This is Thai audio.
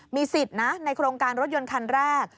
มีสิทธิ์นะในโครงการรถยนต์คันแรก